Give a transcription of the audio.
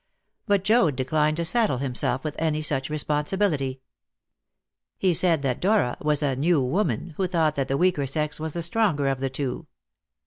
But Joad declined to saddle himself with any such responsibility. He said that Dora was a New Woman, who thought that the weaker sex was the stronger of the two.